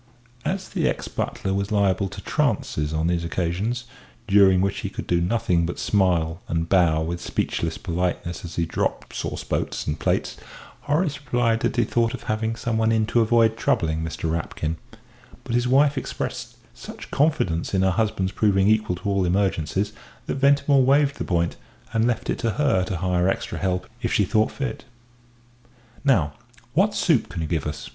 As the ex butler was liable to trances on these occasions during which he could do nothing but smile and bow with speechless politeness as he dropped sauce boats and plates, Horace replied that he thought of having someone in to avoid troubling Mr. Rapkin; but his wife expressed such confidence in her husband's proving equal to all emergencies, that Ventimore waived the point, and left it to her to hire extra help if she thought fit. "Now, what soup can you give us?"